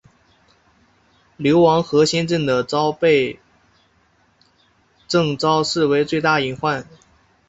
流亡河仙镇的昭最被郑昭视为最大隐患。